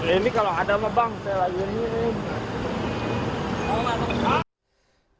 ini kalau ada mebang saya lagi ngirim